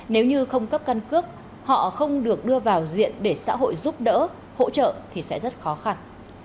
nếu như không cấp căn cước họ không được đưa vào diện để xã hội giúp đỡ hỗ trợ thì sẽ rất khó khăn